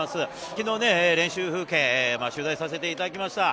昨日、練習風景取材させてもらえました。